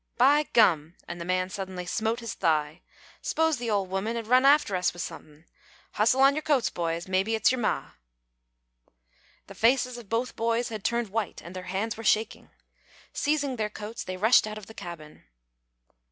"By gum!" and the man suddenly smote his thigh, "s'pose the ole woman had run after us with somethin'. Hustle on your coats, boys. Mebbe it's your ma." The faces of both boys had turned white, and their hands were shaking. Seizing their coats, they rushed out of the cabin.